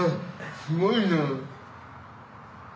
すごいな。